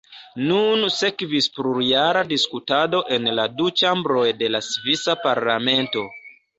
Nun sekvis plurjara diskutado en la du ĉambroj de la svisa parlamento.